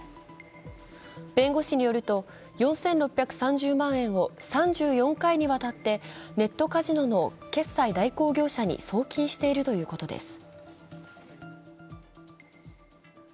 弁護士によると、４６３０万円を３４回にわたってネットカジノの決済代行業者に送金しているということです。